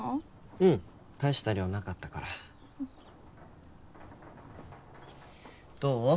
うんたいした量なかったからどう？